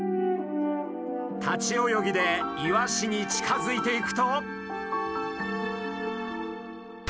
立ち泳ぎでイワシに近づいていくと。